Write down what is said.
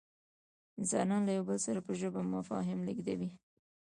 انسانان له یو بل سره په ژبه مفاهیم لېږدوي.